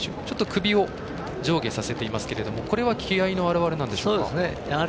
首を上下させていますけどこれは気合いの表れなんでしょうか。